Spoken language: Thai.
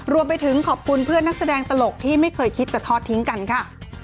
รวมไปถึงขอบคุณเพื่อนนักแสดงตลกที่ไม่เคยคิดจะทอดทิ้งกันค่ะ